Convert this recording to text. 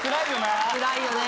つらいよね。